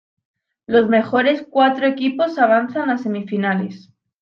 Los mejores cuatro equipos avanzan a semifinales.